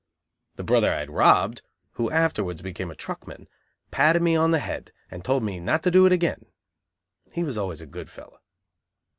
The brother I had robbed, who afterwards became a truckman, patted me on the head and told me not to do it again. He was always a good fellow.